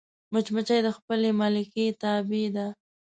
مچمچۍ د خپلې ملکې تابع ده